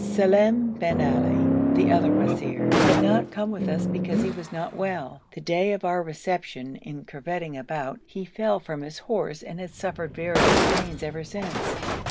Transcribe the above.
Salim bin Ali, the other wazir, had not come with us because he was not well. The day of our reception, in curvetting about, he fell from his horse and had suffered various pains ever since.